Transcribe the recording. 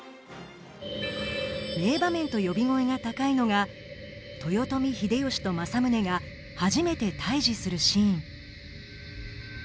名場面と呼び声が高いのが豊臣秀吉と政宗が初めて対峙するシーン。